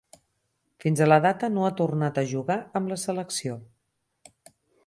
Fins a la data no ha tornat a jugar amb la selecció.